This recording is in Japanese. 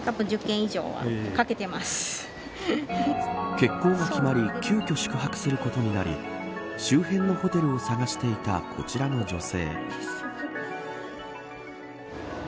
欠航が決まり急きょ宿泊することになり周辺のホテルを探していたこちらの女性。